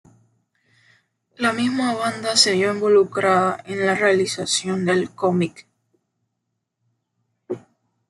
La misma banda se vio involucrada en la realización del cómic.